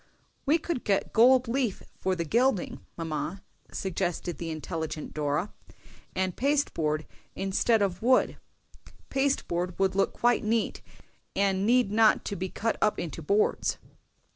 "We could get gold leaf for the gilding, mamma," suggested the intelligent Dora, "and pasteboard instead of wood; pasteboard would look quite as neat, and need not to be cut up into boards."